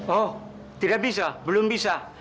oh tidak bisa belum bisa